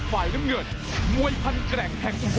สวัสดีครับ